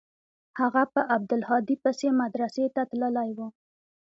هغه په عبدالهادي پسې مدرسې ته تللى و.